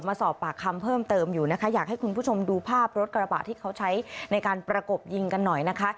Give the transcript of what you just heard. มาสอบปากคำเพิ่มเติมอยู่นะคะอยากให้คุณผู้ชมดูภาพรถกระบะที่เขาใช้ในการประกบยิงกันหน่อยนะคะ